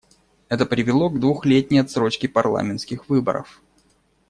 Это привело к двухлетней отсрочке парламентских выборов.